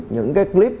những cái clip